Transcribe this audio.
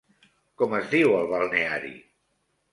Com es diu el Balneari?